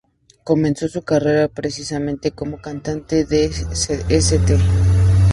Comenzó su carrera precisamente como cantante de St.